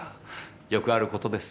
よくある事です。